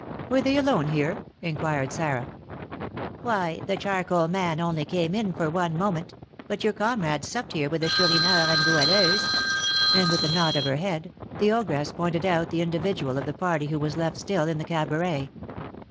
"Were they alone here?" inquired Sarah. "Why, the charcoal man only came in for one moment; but your comrade supped here with the Chourineur and Goualeuse;" and with a nod of her head, the ogress pointed out the individual of the party who was left still in the cabaret.